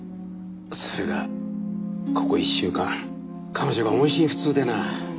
それがここ１週間彼女が音信不通でな。